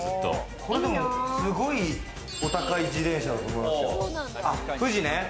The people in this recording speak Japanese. すごいお高い自転車だと思いますよ。